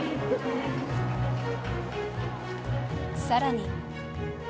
さらに。